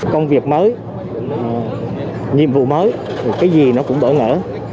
công việc mới nhiệm vụ mới cái gì nó cũng bỡ ngỡ